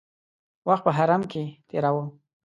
وخت په حرم کې تېراوه.